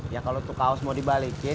ya kalau itu kaos mau dibalikin